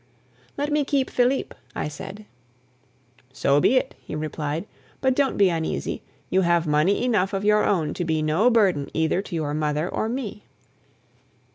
"Let me keep Philippe," I said. "So be it," he replied. "But don't be uneasy; you have money enough of your own to be no burden either to your mother or me."